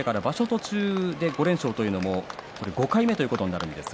途中で５連勝というのも５回目になります。